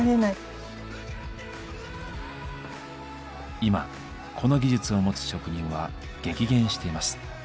今この技術を持つ職人は激減しています。